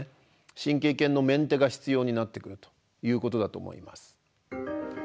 神経系のメンテが必要になってくるということだと思います。